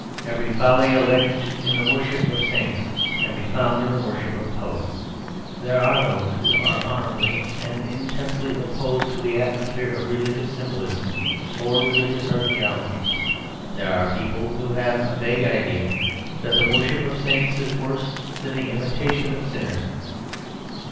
Every folly alleged in the worship of saints can be found in the worship of poets. There are those who are honourably and intensely opposed to the atmosphere of religious symbolism or religious archæology. There are people who have a vague idea that the worship of saints is worse than the imitation of sinners.